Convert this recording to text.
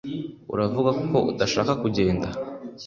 Uravuga ko udashaka kugenda